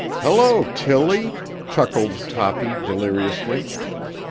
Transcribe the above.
"Hello, Tilly," chuckled Toppy deliriously.